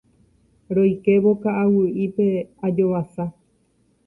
Roikévo ka'aguy'ípe ajovasa.